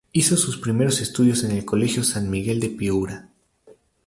Hizo sus primeros estudios en el Colegio San Miguel de Piura.